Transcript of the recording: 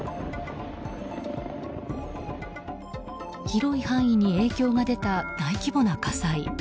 広い範囲に影響が出た大規模な火災。